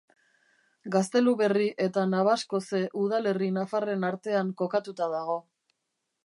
Gazteluberri eta Nabaskoze udalerri nafarren artean kokatuta dago.